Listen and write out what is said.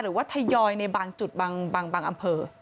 หรือว่าทยอยในบางจุดบางอำเภอ